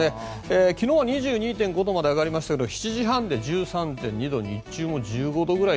昨日は２２．５度まで上がりましたが７時半で１３．２度日中も１５度くらい。